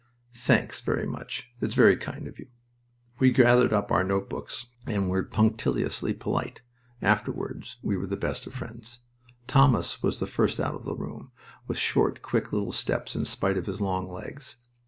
"Thanks very much... It's very kind of you." We gathered up our note books and were punctiliously polite. (Afterward we were the best of friends.) Thomas was first out of the room, with short, quick little steps in spite of his long legs.